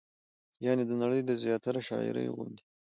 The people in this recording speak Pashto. يعنې د نړۍ د زياتره شاعرۍ غوندې